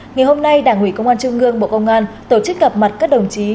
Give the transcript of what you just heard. ngày hôm nay đảng ủy công an trung ương bộ công an tổ chức gặp mặt các đồng chí